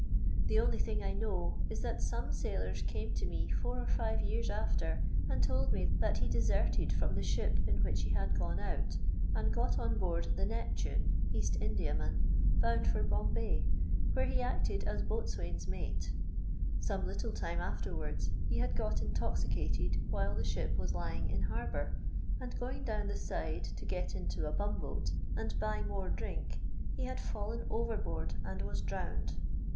The only thing I know is that some sailors came to me four or five years after, and told me that he deserted from the ship in which he had gone out, and got on board the yepiune, Bast Indiaman, bound for liombay, where he acted as boatswain's mate; some little time afterwards, he had got intoxicated while the ship was lying in harbour, and, going down the side to got into a bumboat, and buy more drink, he had fallen overboard and was drowned.